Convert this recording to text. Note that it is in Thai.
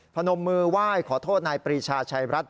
พนมมือไหว้ขอโทษนายปรีชาชัยรัฐ